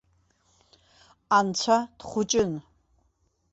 Анцәа дхәыҷын.